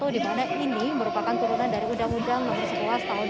di mana ini merupakan turunan dari undang undang nomor sebelas tahun dua ribu